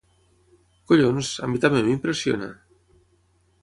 Collons, a mi també m'impressiona!